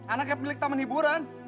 anaknya milik taman hiburan